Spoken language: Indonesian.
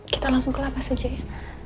kita langsung ke lapas aja ya